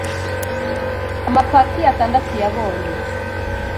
Amapaki atandatu yabonye